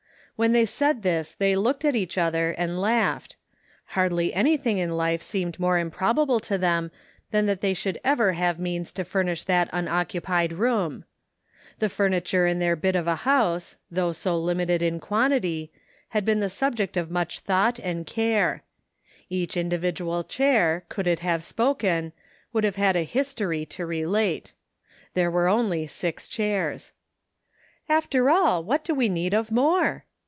When they said this they looked at each other and laughed; hardly anything in life seemed more improbable to them than that they should ever have means to furnish that unoccupied room ! The furniture in their bit of a house, though so limited in quantity, had been the subject of much thought and care. Each individual chair, could it have spoken, would have had a history to relate. There were only six chairs. " After all what do we need of more